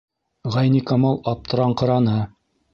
Ғәйникамал аптыраңҡыраны: